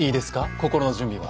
心の準備は。